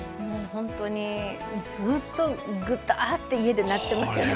本当に、ずっとぐたーって家でなっていますよね。